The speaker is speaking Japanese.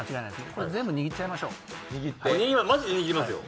これ全部握っちゃいましょう。